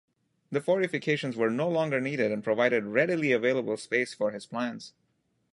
The fortifications were no longer needed and provided readily available space for his plans.